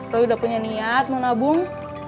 tapi udah punya niat mau nabung